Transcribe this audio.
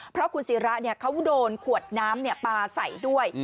เพราะคุณศิระเขาโดนขวดน้ำปลาใส่ด้วย